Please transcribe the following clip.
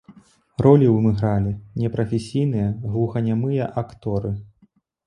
Ролі ў ім гралі непрафесійныя глуханямыя акторы.